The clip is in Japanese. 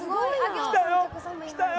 来たよ！